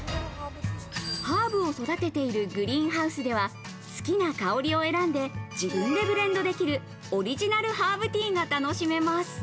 ハーブを育てているグリーンハウスでは、好きな香りを選んで自分でブレンドできるオリジナルハーブティーが楽しめます。